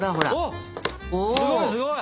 おおすごいすごい！